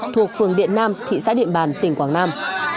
thuộc phường điện nam thị xã điện bàn tỉnh quảng nam